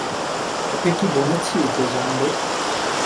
ওকে কি বলেছি যে জানবে?